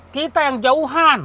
kita yang jauhan